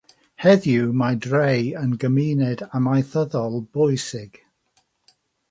Heddiw, mae'r dref yn gymuned amaethyddol bwysig.